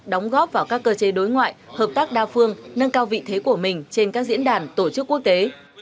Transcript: đóng góp vào các cơ chế đối ngoại hợp tác đa phương nâng cao vị thế của mình trên các diễn đàn tổ chức quốc tế